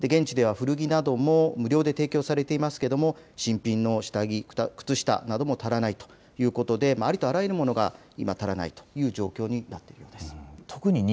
現地では古着なども無料で提供されていますが新品の下着、靴下なども足りないということでありとあらゆるものが今、足らないという状況になっています。